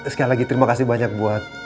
sekali lagi terima kasih banyak buat